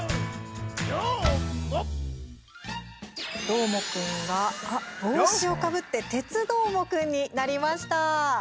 どーもくんがあっ、帽子をかぶって鉄どーもくんになりました。